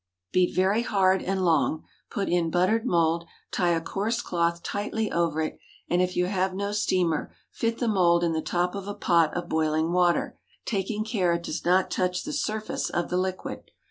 Beat very hard and long, put in buttered mould, tie a coarse cloth tightly over it, and if you have no steamer, fit the mould in the top of a pot of boiling water, taking care it does not touch the surface of the liquid.